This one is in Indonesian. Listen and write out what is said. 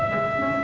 gak cukup pulsaanya